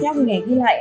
theo hình ảnh ghi lại